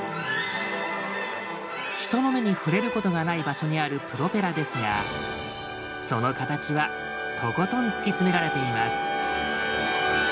人の目に触れることがない場所にあるプロペラですがその形はとことん突き詰められています。